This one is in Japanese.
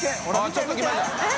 ちょっときました！